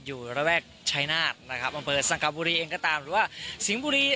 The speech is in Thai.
อยู่ระแวกชายนาสตร์นะครับบสังคบุรีเองก็ตามหรือว่าสิงต์บุรี